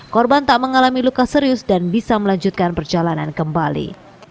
korban tak mengalami luka serius dan bisa melanjutkan perjalanan kembali